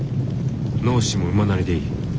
能試も馬なりでいい。